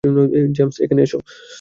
James, এখানে এসো।